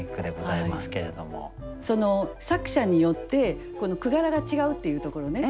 その作者によって句柄が違うっていうところね